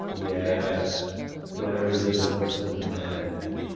." "Yes, there is worse than death."